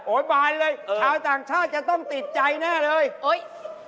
โอ้ยมาเลยชาวต่างชาติจะต้องติดใจแน่เลย